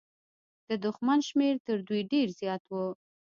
د دښمن شمېر تر دوی ډېر زيات و.